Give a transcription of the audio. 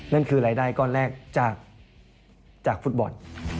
นั่นคือรายได้ก้อนแรกจากฟุตบอล